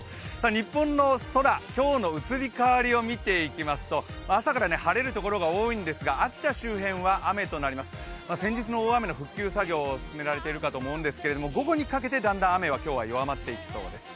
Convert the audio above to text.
日本の空、今日の移り変わりを見ていきますと、朝から晴れるところが多いんですが秋田周辺は雨となります、先日の大雨の復旧作業を進められているかと思うんですが、午後にかけて、だんだん雨は今日は弱まっていきそうです。